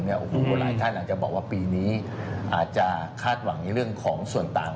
โอ้โหหลายท่านอาจจะบอกว่าปีนี้อาจจะคาดหวังในเรื่องของส่วนต่าง